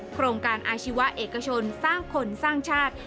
โครงการอาชีวะเอกชนสร้างคนสร้างชาติ